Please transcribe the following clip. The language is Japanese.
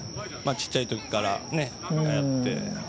ちっちゃい時からやって。